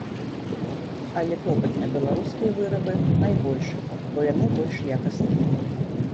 Але попыт на беларускія вырабы найбольшы, бо яны больш якасныя.